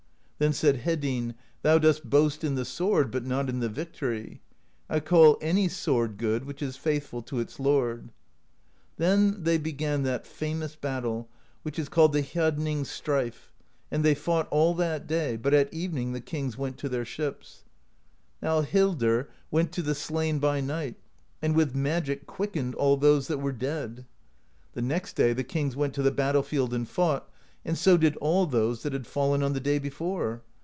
Then said Hedinn: 'Thou dost boast in the sword, but not in the victory; I call any sword good which is faithful to its lord.' Then they began that famous battle which is called the Hjadnings' Strife, and they fought all that day, but at evening the kings went to their ships. NowHildrwent to the slain by night, and with magicquick ened all those that were dead. The next day the kings went to the battlefield and fought, and so did all those that had fallen on the day before.